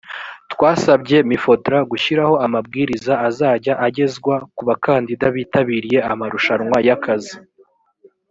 twasabye mifotra gushyiraho amabwiriza azajya agezwa ku bakandida bitabiriye amarushwana ya kazi